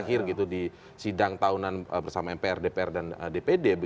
terakhir gitu di sidang tahunan bersama mpr dpr dan dpd